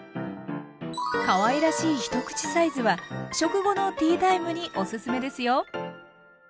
かわいらしい一口サイズは食後のティータイムにおすすめですよ！